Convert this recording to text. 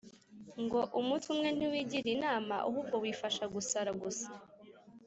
ngo: “umutwe umwe ntiwigira inama, ahubwo wifasha gusara gusa